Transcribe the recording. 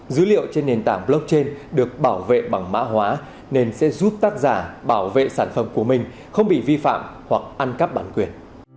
dữ liệu trên nền tảng blockchain được bảo vệ bằng mã hóa nên sẽ giúp tác giả bảo vệ sản phẩm của mình không bị vi phạm hoặc ăn cắp bản quyền